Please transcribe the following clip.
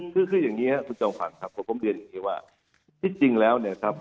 คือคืออย่างนี้คุณกันผมเรียนที่จริงแล้วเนี่ยครับ